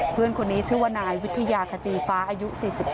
เพื่อนคนนี้ชื่อว่านายวิทยาขจีฟ้าอายุ๔๙